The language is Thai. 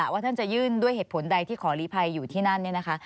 ว่าจะยืนด้วยเหตุผลใดที่ขอรีภัยอยู่ที่นั่น